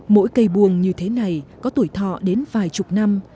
mỗi cây buông như thế này có tuổi thọ đến vài chục năm